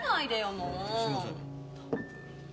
もう。